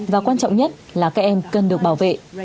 và quan trọng nhất là các em cần được bảo vệ